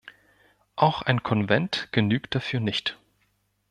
Auch ein Konvent genügt dafür nicht.